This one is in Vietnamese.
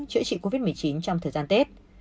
chữa trị covid một mươi chín trong thời gian tết